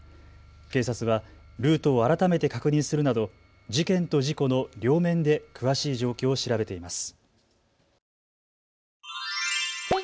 警察はルートを改めて確認するなど事件と事故の両面で詳しい状況を調べています。